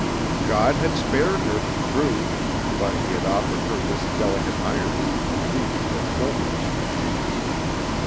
God had spared her, true, but He had offered her this delicate irony of leaving her homeless.